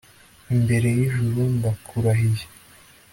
imbere y'ijuru ndakurahiye